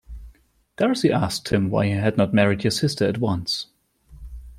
Darcy asked him why he had not married your sister at once.